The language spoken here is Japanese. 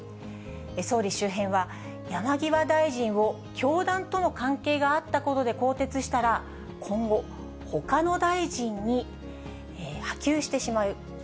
総理周辺は、山際大臣を教団との関係があったことで更迭したら、今後、ほかの大臣に波及してしまう。